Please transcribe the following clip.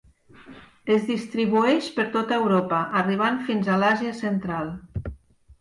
Es distribueix per tota Europa, arribant fins a l'Àsia Central.